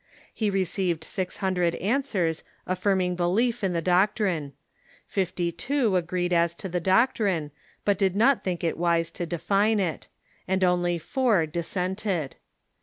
He received six hundred answers aftirming belief in the doctrine ; fifty two agreed as to the doctrine, but did not think it wise to define it ; and only four dissented.